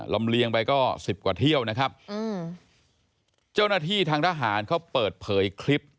เลียงไปก็สิบกว่าเที่ยวนะครับอืมเจ้าหน้าที่ทางทหารเขาเปิดเผยคลิป